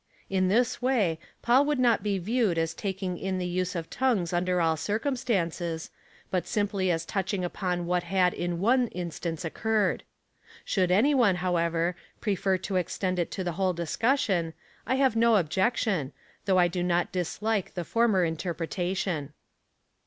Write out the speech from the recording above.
In this way, Paul would not be viewed as taking in the use of tongues under all circumstances, but simply as touching upon what had in one instance occurred. Should any one, however, prefer to extend it to the whole discussion, I have no objection, though I do not dislike the former interpreta tion.